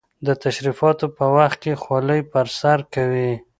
د تشریفاتو په وخت کې خولۍ پر سر کوي.